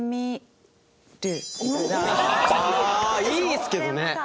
いいっすけどね！